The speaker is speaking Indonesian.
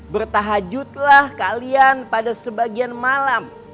bertahhajudlah kalian pada sebagian malam